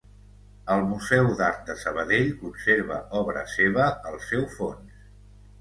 El Museu d'Art de Sabadell conserva obra seva al seu fons.